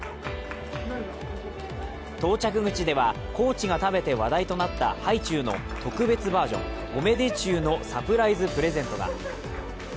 到着口では、コーチが食べて話題となったハイチュウの特別バージョン、オメデチュウのサプライズプレゼントが。